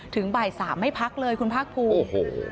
ถึงบ่าย๓ไม่พักเลยคุณพรรคภูมิ